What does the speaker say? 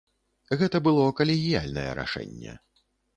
Гэта было калегіяльнае рашэнне.